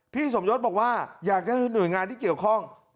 พี่สมยศบอกว่าอยากจะให้หน่วยงานที่เกี่ยวข้อง